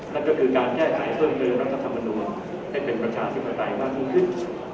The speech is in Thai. และก็คือการแก้ไห่ส้นเติมรัฐธรรมดุมให้เป็นประชาศิลปัตย์มากขึ้น